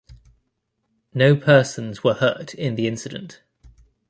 No persons were hurt in the incident.